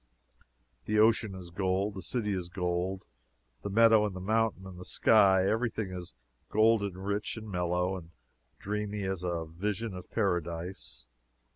The ocean is gold, the city is gold, the meadow, the mountain, the sky every thing is golden rich, and mellow, and dreamy as a vision of Paradise.